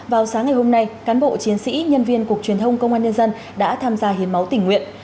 vào sáng ngày hôm nay cán bộ chiến sĩ nhân viên cục truyền thông công an nhân dân đã tham gia hiến máu tỉnh nguyện